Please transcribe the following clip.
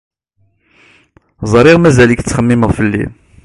Ẓriɣ mazal-ik tettxemmimeḍ fell-i.